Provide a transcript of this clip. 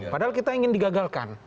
padahal kita ingin digagalkan